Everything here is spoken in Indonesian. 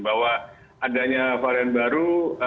bahwa adanya varian baru